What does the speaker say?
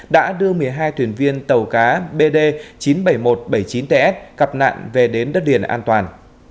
đã đưa một mươi hai thuyền viên tàu cá bd chín trăm bảy mươi một bảy mươi chín ts cặp nạn về đến đất điện an toàn